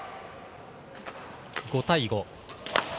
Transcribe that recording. ５対５。